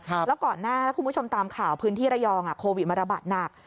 แล้วก่อนหน้าถ้าคุณผู้ชมตามข่าวพื้นที่ระยองโควิดมันระบาดหนัก